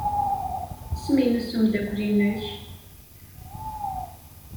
Isem-nnes umeddakel-nnek?